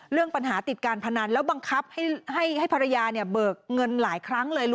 เรื่องปัญหาติดการพนันแล้วบังคับให้ภรรยาเนี่ยเบิกเงินหลายครั้งเลย